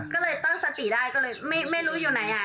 ก็เลยตั้งสติได้ก็เลยไม่รู้อยู่ไหน